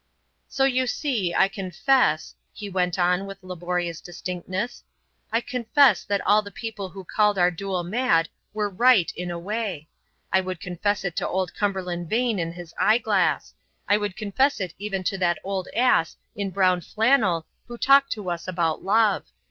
"So you see I confess" he went on with laborious distinctness "I confess that all the people who called our duel mad were right in a way. I would confess it to old Cumberland Vane and his eye glass. I would confess it even to that old ass in brown flannel who talked to us about Love.